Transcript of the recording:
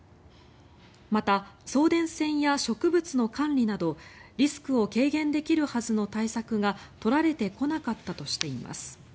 また、送電線や植物の管理などリスクを軽減できるはずの対策が取られてこなかったとしています。